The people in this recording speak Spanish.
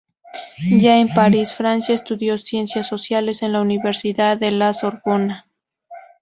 Ya en París, Francia, estudió ciencias sociales en la Universidad de La Sorbona.